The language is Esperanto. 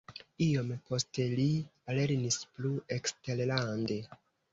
Iom poste li lernis plu eksterlande.